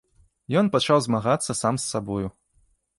Ён пачаў змагацца сам з сабою.